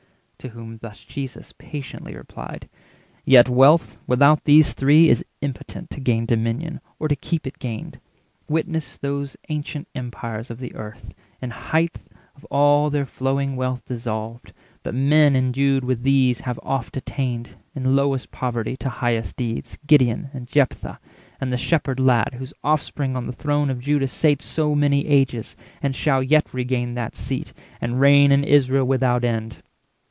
To whom thus Jesus patiently replied:— "Yet wealth without these three is impotent To gain dominion, or to keep it gained— Witness those ancient empires of the earth, In highth of all their flowing wealth dissolved; But men endued with these have oft attained, In lowest poverty, to highest deeds— Gideon, and Jephtha, and the shepherd lad Whose offspring on the throne of Juda sate 440 So many ages, and shall yet regain That seat, and reign in Israel without end.